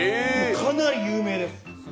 かなり有名です。